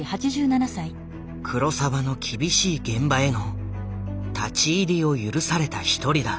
黒澤の厳しい現場への立ち入りを許された一人だ。